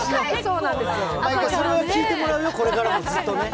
それは聞いてもらうよ、これからもずっとね。